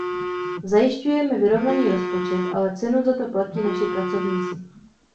Zajišťujeme vyrovnaný rozpočet, ale cenu za to platí naši pracovníci.